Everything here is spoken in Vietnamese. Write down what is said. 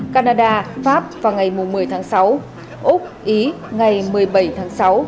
canada pháp vào ngày một mươi tháng sáu úc ý ngày một mươi bảy tháng sáu